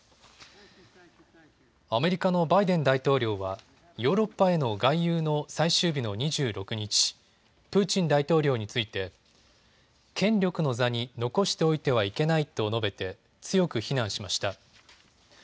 アメリカのバイデン大統領はヨーロッパへの外遊の最終日の２６日、プーチン大統領について権力の座に残しておいてはいけないと述べて強く非難しました。